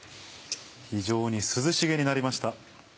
非常に涼しげになりました。